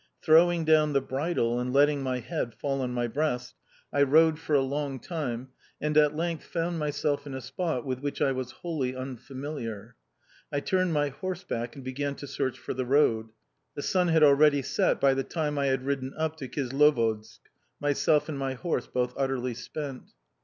Throwing down the bridle and letting my head fall on my breast, I rode for a long time, and at length found myself in a spot with which I was wholly unfamiliar. I turned my horse back and began to search for the road. The sun had already set by the time I had ridden up to Kislovodsk myself and my horse both utterly spent!